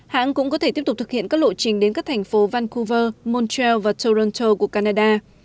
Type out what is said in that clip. hãng cũng có thể tiếp tục thực hiện các lộ trình đến các thành phố vancouver montreal và toronto của canada